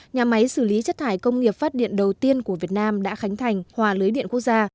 nhà máy xử lý chất thải công nghiệp phát điện đầu tiên của việt nam đã khánh thành hòa lưới điện quốc gia